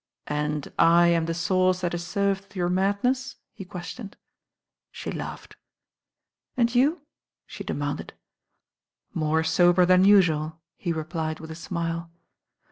"And I am the sauce that is served with your madness?" he questioned. She laughed. "And you?" she demanded. "More sober than usual," he replied with a smile.